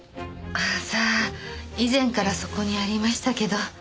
さあ以前からそこにありましたけど。